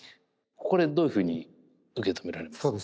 これどういうふうに受け止められますか？